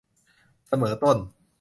เสมอต้น